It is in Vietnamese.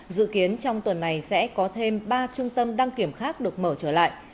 dự kiến trong tuần này sẽ có thêm ba trung tâm đăng kiểm khác được mở trở lại